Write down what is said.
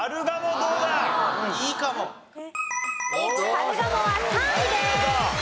カルガモは３位です。